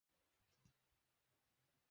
যখনই বলবেন তখনই আসব, না বললেও আসতে রাজি আছি।